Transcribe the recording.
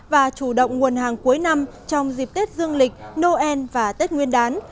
và chủ động nguồn hàng cuối năm trong dịp tết dương lịch noel và tết nguyên đán